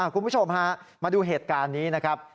คุณผู้ชมฮะมาดูเหตุการณ์นี้นะครับ